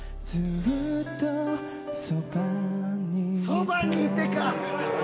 「そばにいて」か。